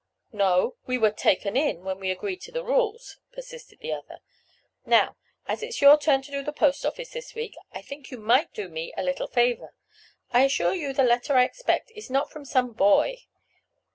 "No, we were 'taken in' when we agreed to the rules," persisted the other. "Now, as it's your turn to do the post office this week, I think you might do me a little favor—I assure you the letter I expect is not from some boy.